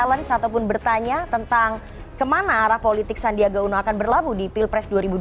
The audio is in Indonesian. challenge ataupun bertanya tentang kemana arah politik sandiaga uno akan berlabuh di pilpres dua ribu dua puluh